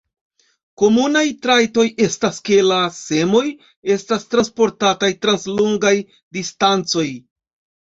Komunaj trajtoj estas, ke la semoj estas transportataj trans longaj distancoj.